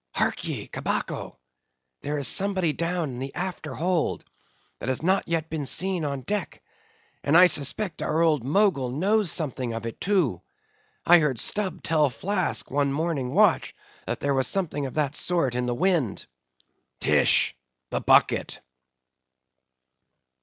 Hark ye, Cabaco, there is somebody down in the after hold that has not yet been seen on deck; and I suspect our old Mogul knows something of it too. I heard Stubb tell Flask, one morning watch, that there was something of that sort in the wind." "Tish! the bucket!"